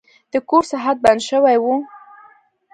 د کور ساعت بند شوی و.